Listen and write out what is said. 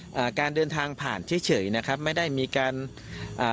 อ่าการเดินทางผ่านเฉยเฉยนะครับไม่ได้มีการอ่า